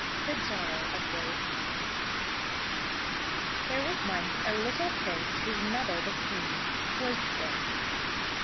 THE JAR OF ROSEMARY There was once a little prince whose mother, the queen, was sick.